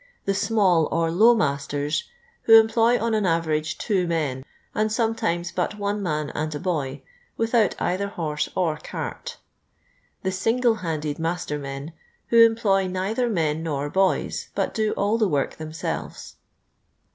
The*' small" or "low masters," ^'ho employ, on an average, two men, nnd sometimes but one man and a boy, without either horse or cart The '• single handed master men," who employ neither men nor boys, but do all the work them selves.